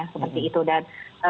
seperti itu dan